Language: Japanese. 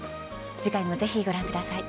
次回もぜひご覧ください。